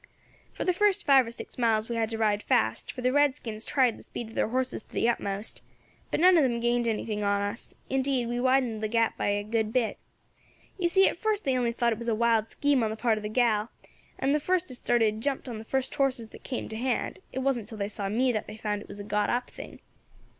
"For the first five or six miles we had to ride fast, for the redskins tried the speed of their horses to the utmost; but none of them gained anything on us, indeed we widened the gap by a good bit. You see at first they only thought it was a wild scheme on the part of the gal, and the first as started jumped on the first horses that came to hand; it wasn't till they saw me that they found it was a got up thing.